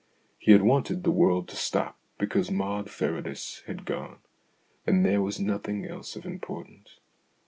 He had wanted the world to stop because Maud Farradyce was gone, and there was nothing else of importance.